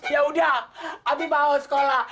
ya udah abi mau sekolah